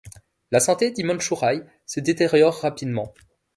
La santé d'Himanshu Rai se détériore rapidement.